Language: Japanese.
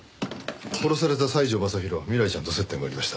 殺された西條雅弘は未来ちゃんと接点がありました。